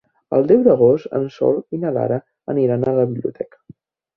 El deu d'agost en Sol i na Lara aniran a la biblioteca.